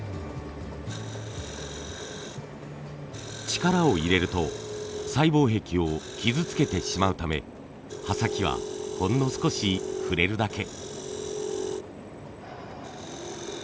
力を入れると細胞壁を傷つけてしまうため刃先はほんの少し触れるだけ。